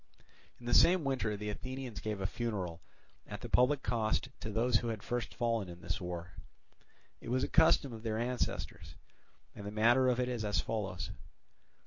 In the same winter the Athenians gave a funeral at the public cost to those who had first fallen in this war. It was a custom of their ancestors, and the manner of it is as follows.